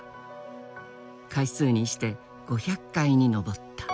回数にして５００回に上った。